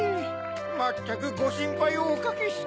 まったくごしんぱいをおかけして。